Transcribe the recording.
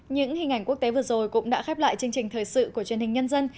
những hình ảnh quốc tế vừa rồi cũng đã khép lại chương trình thời sự của truyền hình nhân dân